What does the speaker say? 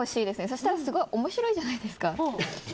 そしたらすごい面白いじゃないですか。